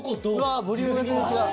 ボリュームが全然違う。